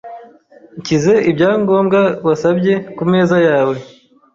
Nshyize ibyangombwa wasabye kumeza yawe.